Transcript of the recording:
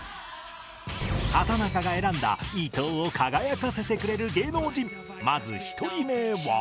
畠中が選んだ伊藤を輝かせてくれる芸能人まず１人目は？